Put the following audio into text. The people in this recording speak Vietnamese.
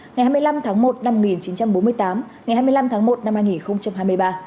ngày hai mươi năm tháng một năm một nghìn chín trăm bốn mươi tám ngày hai mươi năm tháng một năm hai nghìn hai mươi ba